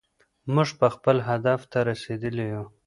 موږ به خپل هدف ته رسېدلي يو.